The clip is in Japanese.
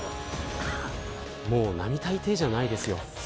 もう並大抵じゃないですよ。